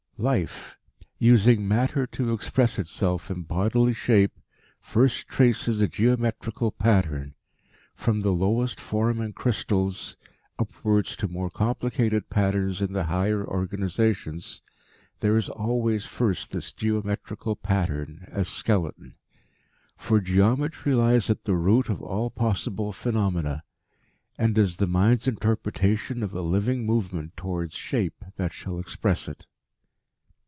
"Life, using matter to express itself in bodily shape, first traces a geometrical pattern. From the lowest form in crystals, upwards to more complicated patterns in the higher organisations there is always first this geometrical pattern as skeleton. For geometry lies at the root of all possible phenomena; and is the mind's interpretation of a living movement towards shape that shall express it."